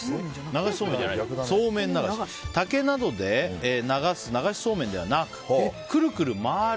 竹などで流す流しそうめんではなくくるくる回る